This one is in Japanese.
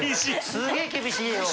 すげぇ厳しいよ。